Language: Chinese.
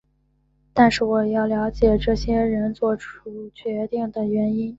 但是我要了解这些人作出决定的原因。